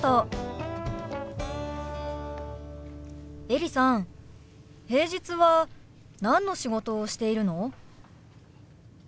エリさん平日は何の仕事をしているの？